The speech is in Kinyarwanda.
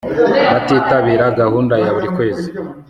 batitabira gahunda ya buri kwezi